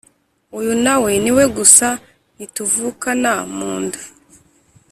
uyu nawe niwe gusa ntituvukana munda